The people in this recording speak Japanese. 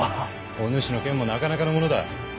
お主の剣もなかなかのものだ。